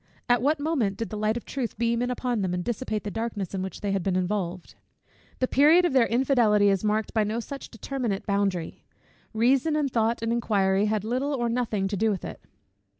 At what moment did the light of truth beam in upon them, and dissipate the darkness in which they had been involved? The period of their infidelity is marked by no such determinate boundary. Reason, and thought, and inquiry had little or nothing to do with it.